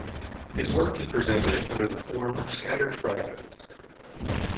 His work is presented under the form of scattered fragments.